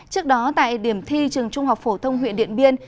trước đó tại điểm thi trường trung học phổ thông huyện điện biên